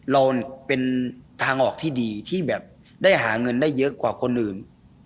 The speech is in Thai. เราเป็นทางออกที่ดีที่แบบได้หาเงินได้เยอะกว่าคนอื่น